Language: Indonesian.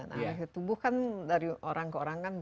tentu bukan dari orang ke orang kan